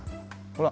ほら。